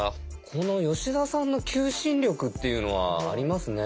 この吉田さんの求心力っていうのはありますね。